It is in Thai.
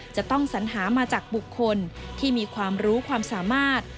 จะต้องสัญหามาจากบุคคลที่มีความรู้ความสามารถ